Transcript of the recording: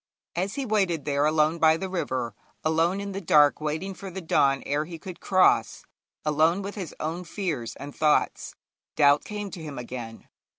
As he waited there alone by the river, alone in the dark waiting for the dawn ere he could cross, alone with his own fears and thoughts, doubt came to him again.